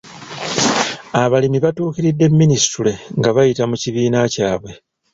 Abalimi batuukiridde minisitule nga bayita mu kibiina kyabwe.